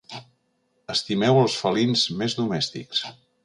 Estimeu els felins més domèstics.